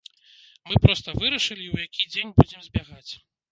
Мы проста вырашылі, у які дзень будзем збягаць.